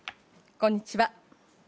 こんにちは。